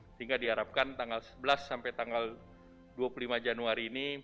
sehingga diharapkan tanggal sebelas sampai tanggal dua puluh lima januari ini